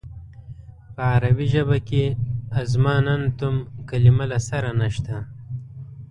په عربي ژبه کې اظماننتم کلمه له سره نشته.